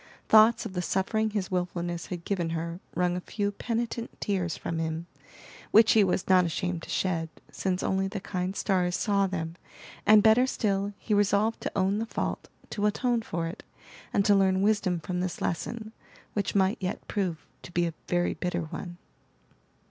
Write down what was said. Thoughts of the suffering his wilfulness had given her wrung a few penitent tears from him, which he was not ashamed to shed, since only the kind stars saw them, and better still, he resolved to own the fault, to atone for it, and to learn wisdom from this lesson, which might yet prove to be a very bitter one.